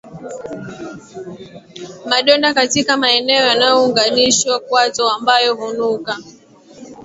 Madonda katika maeneo yanayounganisha kwato ambayo hunuka